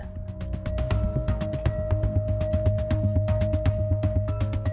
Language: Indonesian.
apa motif sebenarnya kita akan menemui polisi untuk mengetahui secara pasti